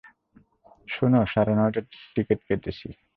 শোনো, সাড়ে নয়টার টিকেট কেটেছি।